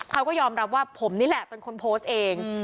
เขาก็ยอมรับว่าผมนี่แหละเป็นคนโพสต์เอง